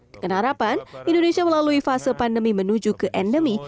dengan harapan indonesia melalui fase pandemi menuju ke endemi